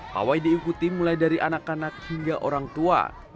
pawai diikuti mulai dari anak anak hingga orang tua